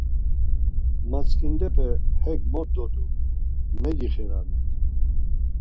Matzǩindepe hek mot dodum, megixiranen.